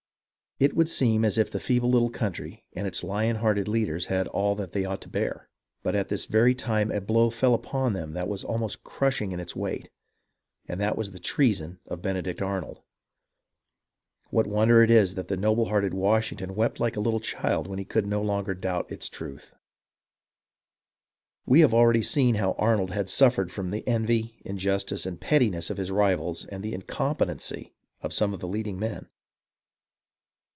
It would seem as if the feeble little country and its lion hearted leaders had all that they ought to bear ; but at this very time a blow fell upon them that was almost crushing in its weight. And that was the treason of Benedict Arnold. What wonder is it that the noble hearted Washington wept like a little child when he could no longer doubt its truth ! We have already seen how Arnold had suffered from the envy, injustice, and pettiness of his rivals and the incompetency of some of the leading men.